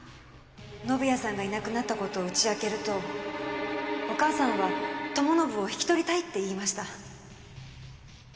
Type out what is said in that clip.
宣也さんがいなくなった事を打ち明けるとお義母さんは友宣を引き取りたいって言いました。